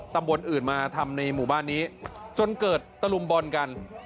ตำบลอื่นมาทำในหมู่บ้านนี้จนเกิดตะลุมบอลกัน